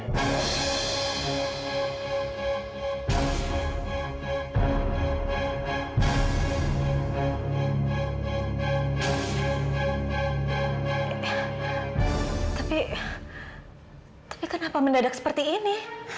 tapi tapi kenapa dia bisa berubah secepat ini